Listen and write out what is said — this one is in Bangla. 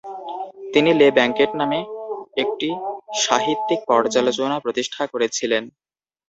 তিনি "লে ব্যংকেট" নামে একটি সাহিত্যিক পর্যালোচনা প্রতিষ্ঠা করেছিলেন।